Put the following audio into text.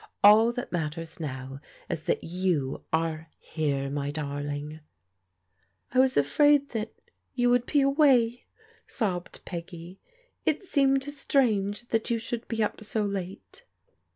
All that matters now is that you are here, my darling." "I was afraid that — ^you ¥rould be away," sobbed Peggy. It seemed strange that you should be up so late."